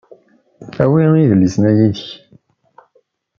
Awi idlisen-a yid-k.